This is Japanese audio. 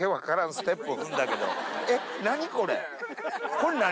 これ何？